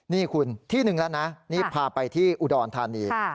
นี่คุณที่หนึ่งแล้วนะนี่พาไปที่อุดรธานี